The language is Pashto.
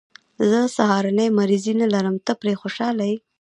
زه سهارنۍ مریضي نه لرم، ته پرې خوشحاله یې.